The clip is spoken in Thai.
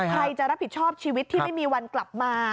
ใครจะรับผิดชอบชีวิตที่ไม่มีวันกลับมา